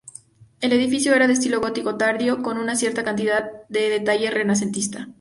El edificio era de estilo gótico tardío, con una cierta cantidad de detalle renacentista.